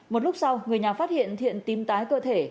một lúc sau người nhà phát hiện thiện tìm tái cơ thể